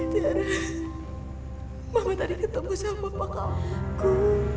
tiara mama tadi ketemu sama mama kamu